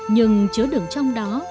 nhưng chứa đứng trong đó